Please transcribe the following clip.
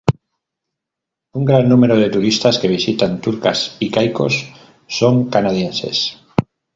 Un gran número de turistas que visitan Turcas y Caicos son canadienses.